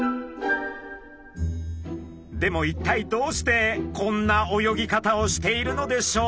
でも一体どうしてこんな泳ぎ方をしているのでしょうか？